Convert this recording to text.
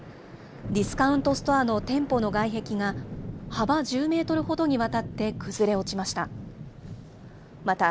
ディスカウントストアの店舗の外壁が幅１０メートルほどにわたって崩れ落ちました。